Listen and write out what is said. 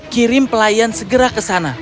kirim pelayan segera ke sana